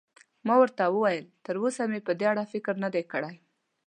ما ورته وویل: تراوسه مې په دې اړه فکر نه دی کړی.